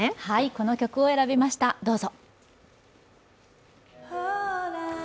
この曲を選びました、どうぞ。